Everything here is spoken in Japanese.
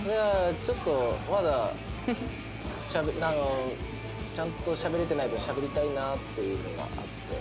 ちょっとまだちゃんとしゃべれてないからしゃべりたいなっていうのがあって。